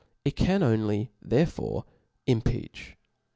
It can only therefore impeach.